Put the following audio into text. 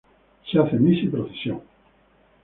Se hace misa y procesión.